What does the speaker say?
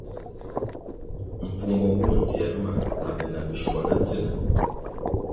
Mpfumbo nwo ntsiē ma na be bishwana tsina.